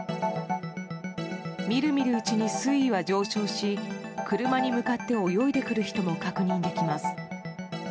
見る見るうちに水位は上昇し車に向かって泳いでくる人も確認できます。